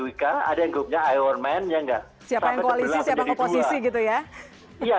siapa yang koalisi siapa yang oposisi gitu ya